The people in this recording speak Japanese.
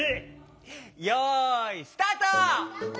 よいスタート！